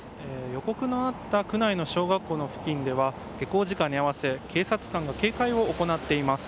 予告のあった区内の小学校の付近では下校時間に合わせ警察官が警戒を行っています。